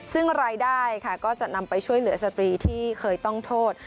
ซึ่งรายได้ค่ะก็จะนำไปช่วยเหลือสตรีที่เคยต้องโทษ